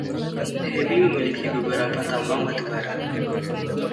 Hebi memiliki beberapa tambang batubara.